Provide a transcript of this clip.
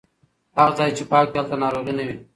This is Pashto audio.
هغه ځای چې پاک وي هلته ناروغي نه وي.